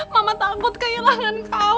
mama takut kehilangan kamu